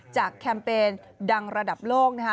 จากแคมเปญดังระดับโลก